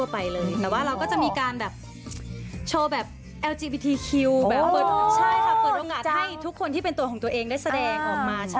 ใช่ค่ะเปิดโอกาสให้ทุกคนที่เป็นตัวของตัวเองได้แสดงออกมา